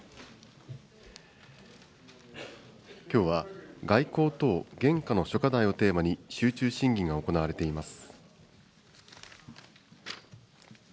きょうは外交等現下の諸課題をテーマに集中審議が行われています。